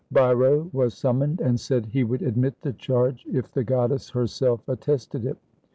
Bhairo was summoned, and said he would admit the charge if the goddess herself attested it.